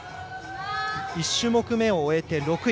１種目めを終えて６位。